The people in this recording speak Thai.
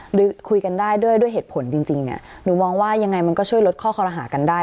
หรือคุยกันได้ด้วยเหตุผลจริงเนี่ยหนูมองว่ายังไงมันก็ช่วยลดข้อคอรหากันได้